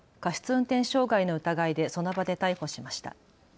運転傷害の疑いでその場で逮捕しました。